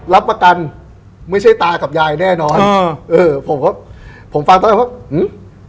รับประกันไม่ใช่ตากับยายแน่นอนเออเออผมก็ผมฟังตอนแรกว่าอืม